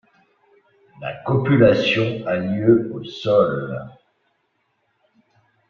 La copulation a lieu au sol.